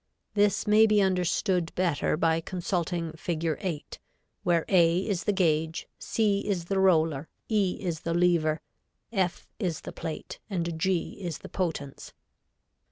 This may be understood better by consulting Fig. 8, where A is the gauge, C is the roller, E is the lever, F is the plate and G is the potance.